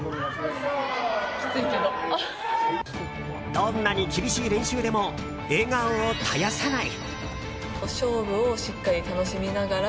どんなに厳しい練習でも笑顔を絶やさない。